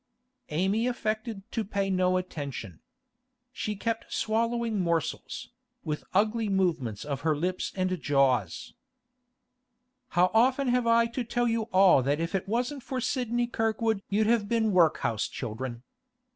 Amy affected to pay no attention. She kept swallowing morsels, with ugly movements of her lips and jaws. 'How often have I to tell you all that if it wasn't for Sidney Kirkwood you'd have been workhouse children?